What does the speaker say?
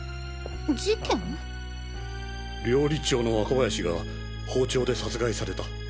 料理長の若林が包丁で殺害された。